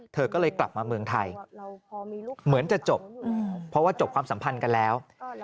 เธอก็เลยกลับมาเมืองไทยเหมือนจะจบเพราะว่าจบความสัมพันธ์กันแล้ว